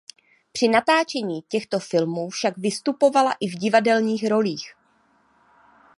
Při natáčení těchto filmů však vystupovala i v divadelních rolích.